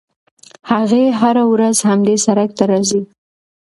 هغه هره ورځ همدې سړک ته راځي.